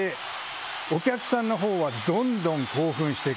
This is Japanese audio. お客さんの方はどんどん興奮していく。